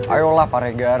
ayolah pak regar